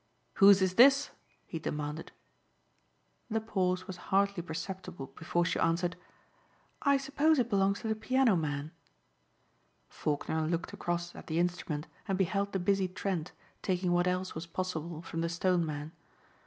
"Who's is this?" he demanded. The pause was hardly perceptible before she answered. "I suppose it belongs to the piano man." Faulkner looked across at the instrument and beheld the busy Trent taking what else was possible from the Stoneman.